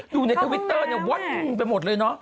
อยู่ในทวิตเตอร์วันไปหมดเลย